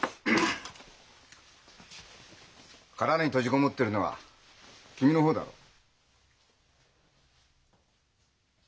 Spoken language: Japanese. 殻に閉じこもってるのは君の方だろう。